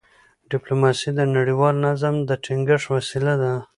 ډيپلوماسي د نړیوال نظم د ټینګښت وسیله ده.